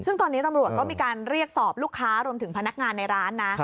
ซึ่งตอนนี้ตำรวจก็มีการเรียกสอบลูกค้ารวมถึงพนักงานในร้านนะ